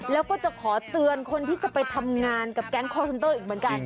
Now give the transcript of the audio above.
แล้วก็จะขอเตือนคนที่จะไปทำงานกับแก๊งคอร์เซนเตอร์อีกเหมือนกัน